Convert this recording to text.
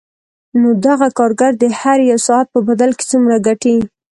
نو دغه کارګر د هر یوه ساعت په بدل کې څومره ګټي